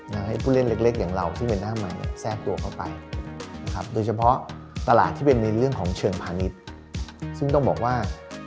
และผู้เล่นเล็กอย่างเราซึ่งมันอาจจะแทรกตัวกลับไปนะครับโดยเฉพาะตลาดที่เป็นในเรื่องของเฉลยภาณิชย์ซึ่งต้องบอกว่า